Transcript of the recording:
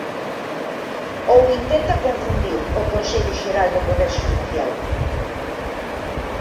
¿Ou intenta confundir o Consello Xeral do Poder Xudicial?